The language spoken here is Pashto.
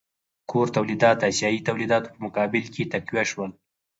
کور تولیدات د اسیايي تولیداتو په مقابل کې تقویه شول.